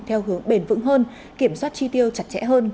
theo hướng bền vững hơn kiểm soát chi tiêu chặt chẽ hơn